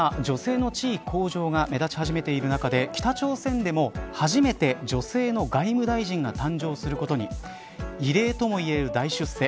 世界中で今、女性の地位向上が目指し始めているなかで北朝鮮でも初めて女性の外務大臣が誕生することに異例ともいえる大出世